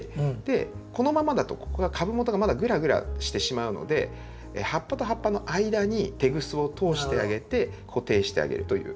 このままだとここが株元がまだぐらぐらしてしまうので葉っぱと葉っぱの間にテグスを通してあげて固定してあげるという。